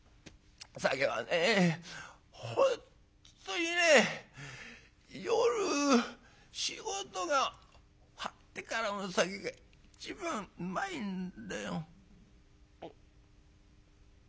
本当にね夜仕事が終わってからの酒が一番うまいんだよ」。